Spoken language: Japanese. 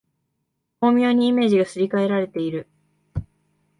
巧妙にイメージがすり替えられている